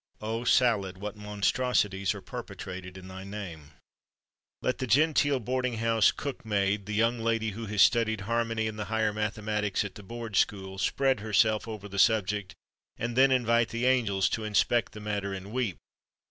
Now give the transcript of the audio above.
O salad, what monstrosities are perpetrated in thy name! Let the genteel boarding house cook maid, the young lady who has studied harmony and the higher mathematics at the Board School, spread herself over the subject; and then invite the angels to inspect the matter, and weep!